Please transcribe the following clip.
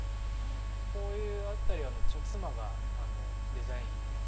こういう辺りは妻がデザインを。